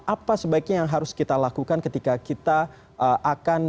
apa sebaiknya yang harus kita lakukan ketika kita akan